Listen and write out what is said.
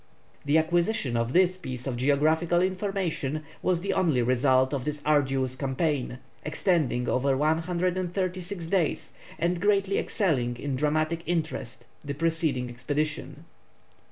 The acquisition of this piece of geographical information was the only result of this arduous campaign, extending over 136 days, and greatly excelling in dramatic interest the preceding expedition.